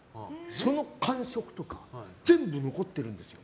その感触とか全部残ってるんです。